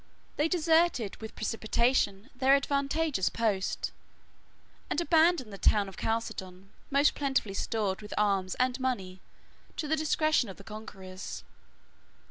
They deserted with precipitation their advantageous post, and abandoned the town of Chalcedon, most plentifully stored with arms and money, to the discretion of the conquerors.